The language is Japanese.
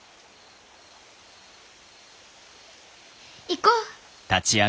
行こう！